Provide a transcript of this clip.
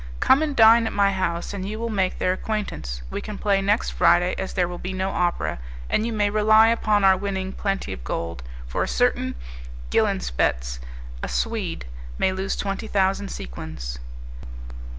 Come and dine at my house, and you will make their acquaintance. We can play next Friday as there will be no opera, and you may rely upon our winning plenty of gold, for a certain Gilenspetz, a Swede, may lose twenty thousand sequins."